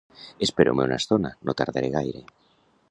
Espereu-me una estona: no tardaré gaire.